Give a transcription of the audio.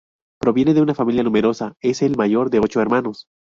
Proviene de una familia numerosa, es el mayor de ocho hermanos.